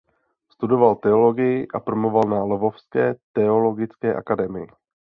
Studoval teologii a promoval na Lvovské teologické akademii.